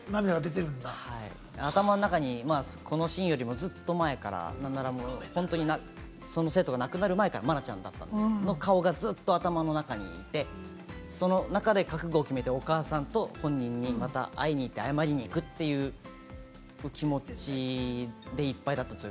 頭の中に、このシーンよりも、ずっと前から、その生徒が亡くなる前から、愛菜ちゃんだったんですけれども、ずっとその生徒の顔が頭の中にあって、それで覚悟を決めて、お母さんに会いに行って、謝りに行くという気持ちでいっぱいだった。